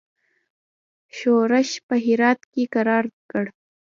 ښورښ په هرات کې کرار کړ.